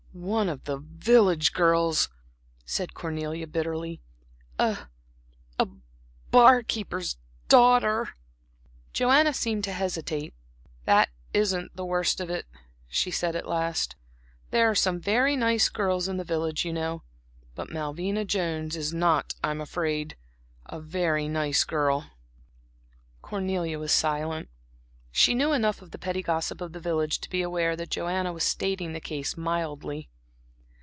"One of the village girls!" said Cornelia, bitterly, "a a bar keeper's daughter." Joanna seemed to hesitate. "That isn't the worst of it," she said at last. "There are some very nice girls in the village, you know, but Malvina Jones is not I'm afraid she really is not a very nice girl." Cornelia was silent. She knew enough of the petty gossip of the village to be aware that Joanna was stating the case mildly.